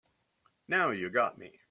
Now you got me.